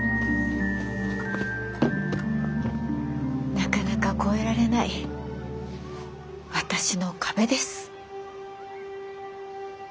なかなか越えられない私の壁です。